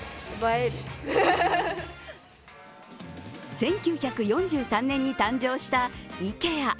１９４３年に誕生したＩＫＥＡ。